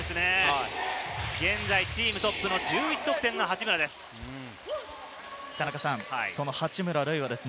現在チームトップの１１得点の八村です。